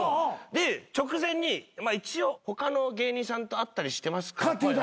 で直前に一応「他の芸人さんと会ったりしてますか？」